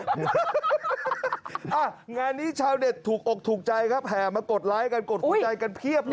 งานนี้ชาวเน็ตถูกอกถูกใจครับแห่มากดไลค์กันกดหัวใจกันเพียบเลย